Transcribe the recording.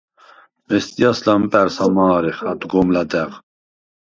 მესტიას ლამპა̈რს ამა̄რეხ ადგომ ლადა̈ღ.